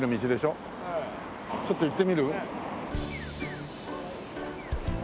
ちょっと行ってみる？